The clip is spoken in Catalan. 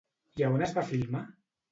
I a on es va filmar?